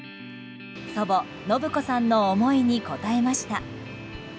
祖母・信子さんの思いに応えました。